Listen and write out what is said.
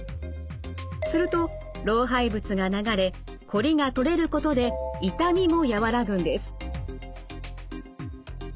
すると老廃物が流れこりが取れることで痛みも和らぐんです。